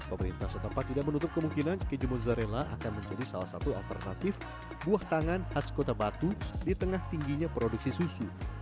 pemerintah setempat tidak menutup kemungkinan keju mozzarella akan menjadi salah satu alternatif buah tangan khas kota batu di tengah tingginya produksi susu